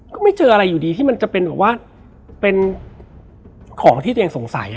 ก็ไม่เจออะไรอยู่ดีที่มันจะเป็นแบบว่าเป็นของที่ตัวเองสงสัย